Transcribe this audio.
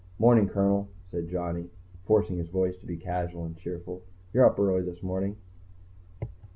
"Morning, Colonel," said Johnny, forcing his voice to be casual and cheerful. "You're up early this morning."